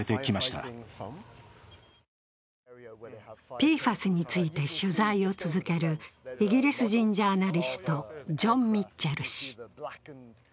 ＰＦＡＳについて取材を続けるイギリス人ジャーナリスト、ジョン・ミッチェル氏。